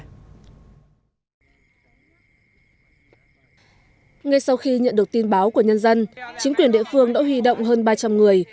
ngay sau khi nhận được tin báo của nhân dân chính quyền địa phương đã huy động hơn ba trăm linh người